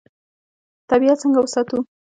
طبیعت څنګه وساتو؟